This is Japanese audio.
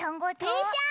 でんしゃ！